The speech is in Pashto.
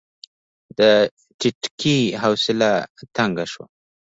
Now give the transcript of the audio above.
د ټيټکي حوصله تنګه شوه.